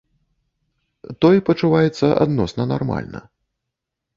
Той пачуваецца адносна нармальна.